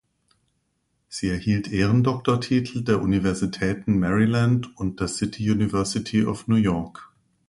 Sie erhielt Ehrendoktortitel der Universitäten Maryland und der City University of New York.